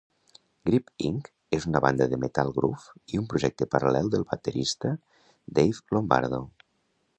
Grip Inc. és una banda de metal groove i un projecte paral·lel del baterista Dave Lombardo.